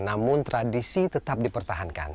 namun tradisi tetap dipertahankan